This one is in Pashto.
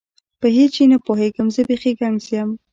په هیڅ شي نه پوهېږم، زه بیخي ګنګس یم.